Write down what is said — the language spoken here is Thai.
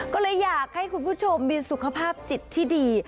ก็เลยอยากให้คุณผู้ชมมีสุขภาพจิตที่ดี